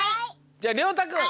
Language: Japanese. じゃありょうたくん。